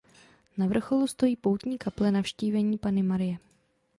Na vrcholu stojí poutní kaple Navštívení Panny Marie.